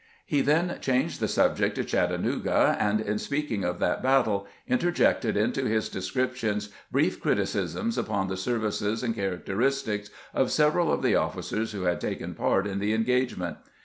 He then changed the subject to Chattanooga, and in speaking of that battle interjected into his descriptions brief criticisms upon the services and characteristics of several of the officers who had taken part in the engage ment.